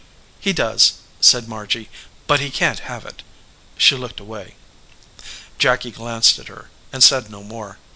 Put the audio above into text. "He does," said Margy, "but he can t have it." She looked away. Jacky glanced at her, and said no more.